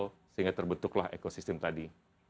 sehingga terbentuklah ekosistem tadi